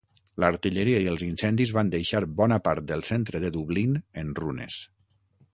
L'artilleria i els incendis van deixar bona part del centre de Dublín en runes.